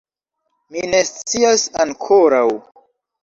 Mi ne scias ankoraŭ.